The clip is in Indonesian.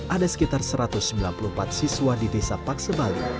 ada sekitar satu ratus sembilan puluh empat siswa di desa paksebali